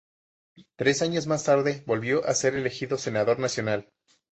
Tres años más tarde volvió a ser elegido senador nacional.